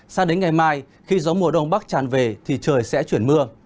sao đến ngày mai khi gió mùa đông bắc tràn về thì trời sẽ chuyển mưa